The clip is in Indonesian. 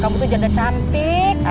kamu punya baget apa